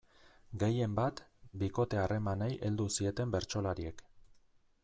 Gehienbat, bikote-harremanei heldu zieten bertsolariek.